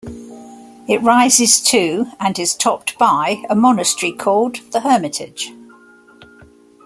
It rises to and is topped by a monastery called "The Hermitage".